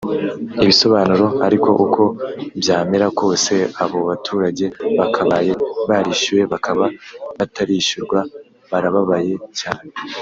Ibisobanuro ariko uko byamera kose abo baturage bakabaye barishyuwe bakaba batarishyurwa barababaye cyane